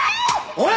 おい！